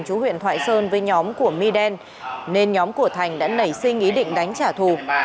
chú huyện thoại sơn với nhóm của mi đen nên nhóm của thành đã nảy sinh ý định đánh trả thù